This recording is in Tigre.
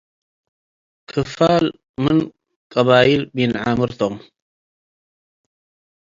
ክፋል ምን ቀበይል ሚን-ዓምር ቶም ።